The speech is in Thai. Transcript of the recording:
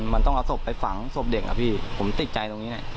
มันต้องเอาศพไปฝังศพเด็กอะพี่ผมติดใจตรงนี้แหละ